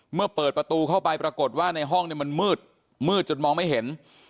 เมื่อเปิดประตูเข้าไปปรากฏว่าในห้องมันมืดมืดจนมองไม่เห็น